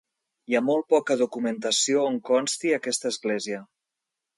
Hi ha molt poca documentació on consti aquesta església.